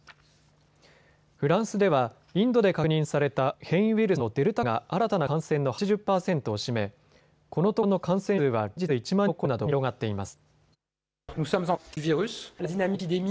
フランスではインドで確認された変異ウイルスのデルタ株が新たな感染の８０％を占めこのところの感染者数は連日１万人を超えるなど急速に広がっています。